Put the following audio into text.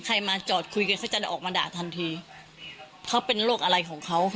มาจอดคุยกันเขาจะออกมาด่าทันทีเขาเป็นโรคอะไรของเขา